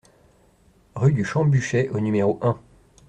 Rue du Champ Buchet au numéro un